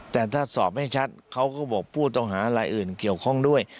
แต่ถ้าสอบไม่ชัดเขาก็บอกผู้ต้องหารายอื่นเกี่ยวข้องด้วย